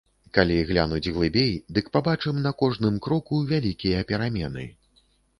Калі глянуць глыбей, дык пабачым на кожным кроку вялікія перамены.